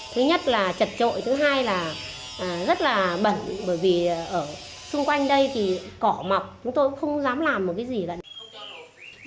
thứ nhất là trật trội thứ hai là rất là bẩn bởi vì ở xung quanh đây thì cỏ mọc chúng tôi không dám làm một cái gì là